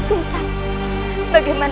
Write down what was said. tidak ada datar